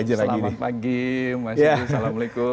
selamat pagi mas satria assalamualaikum